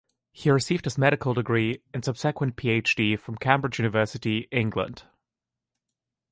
He received his medical degree and subsequent Ph.D. from Cambridge University, England.